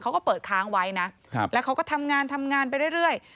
เขาก็เปิดค้างไว้นะแล้วเขาก็ทำงานทำงานไปเรื่อย